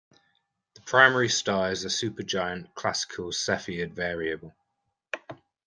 The primary star is a supergiant Classical Cepheid variable.